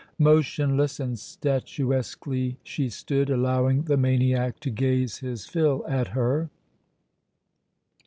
Motionless and statuesquely she stood, allowing the maniac to gaze his fill at her.